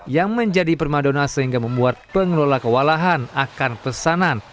yang menjadi permadona sehingga membuat pengelola kewalahan akan pesanan